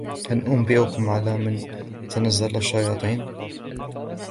هل أنبئكم على من تنزل الشياطين